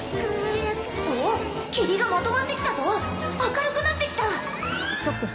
おおっ霧がまとまってきたぞ明るくなってきたストップ！